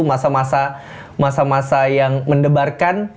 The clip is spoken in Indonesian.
masa masa yang mendebarkan